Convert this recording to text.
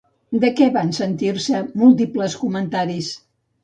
De què van sentir-se múltiples comentaris?